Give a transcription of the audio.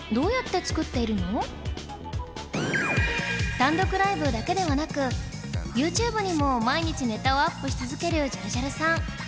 単独ライブだけではなく ＹｏｕＴｕｂｅ にも毎日ネタをアップし続けるジャルジャルさん